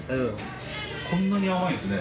こんなに甘いんですね。